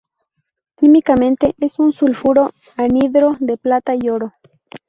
Químicamente es un sulfuro anhidro de plata y oro.